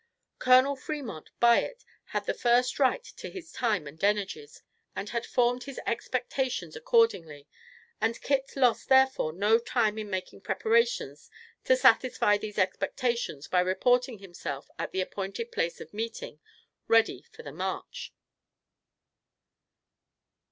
Col. Fremont, by it, had the first right to his time and energies, and had formed his expectations accordingly; and Kit lost, therefore, no time in making preparations to satisfy these expectations by reporting himself at the appointed place of meeting, ready for the march.